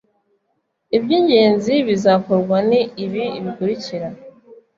Iby ingenzi bizakorwa ni ibi bikurikira